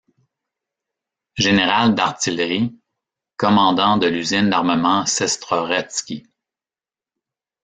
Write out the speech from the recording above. Général d'artillerie, commandant de l'usine d'armement Sestroretski.